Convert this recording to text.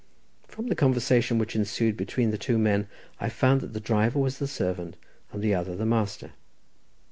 From the conversation which ensued between the two men, I found that the driver was the servant, and the other the master.